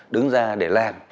đứng ra để làm